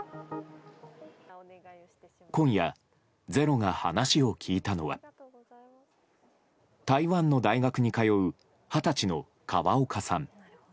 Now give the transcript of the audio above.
今夜、「ｚｅｒｏ」が話を聞いたのは台湾の大学に通う二十歳の河岡さん。